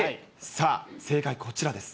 さあ、正解、こちらです。